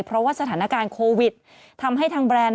เพราะว่าสถานการณ์โควิดทำให้ทางแบรนด์